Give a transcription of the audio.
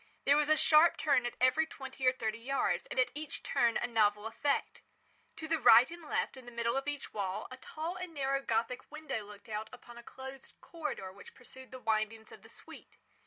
There was a sharp turn at every twenty or thirty yards, and at each turn a novel effect. To the right and left, in the middle of each wall, a tall and narrow Gothic window looked out upon a closed corridor which pursued the windings of the suite.